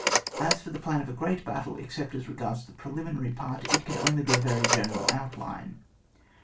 As for the plan for a great battle, except as regards the preliminary part, it can only be a veiy general outline.